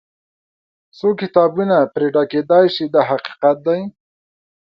څو کتابونه پرې ډکېدای شي دا حقیقت دی.